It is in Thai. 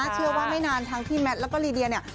เชื่อว่าไม่นานทั้งพี่แมทแล้วก็ลีเดียเนี่ย